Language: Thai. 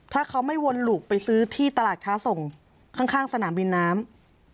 ถ้าเขาไม่วนหลุกไปซื้อที่ตลาดค้าส่งข้างสนามบินน้ำ